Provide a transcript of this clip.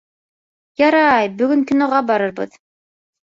Ярай, бөгөн киноға барырбыҙ